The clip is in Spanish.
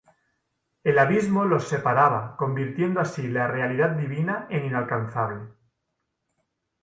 El Abismo los separaba, convirtiendo así la Realidad Divina en inalcanzable.